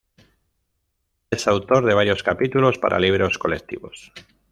Es autor de varios capítulos para libros colectivos.